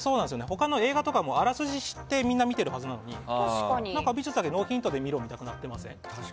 他の映画とかもあらすじ知ってみんな見てるはずなのに美術だけ、ノーヒントで見ろみたいになってますよね。